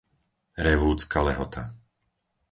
Revúcka Lehota